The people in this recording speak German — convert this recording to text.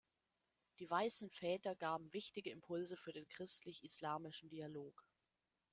Die Weißen Väter gaben wichtige Impulse für den christlich-islamischen Dialog.